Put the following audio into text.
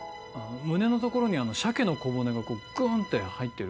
胸の所に鮭の小骨がこうグンって入ってる。